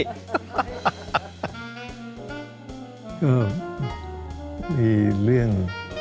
ก็มีเรื่อง